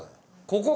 ここ？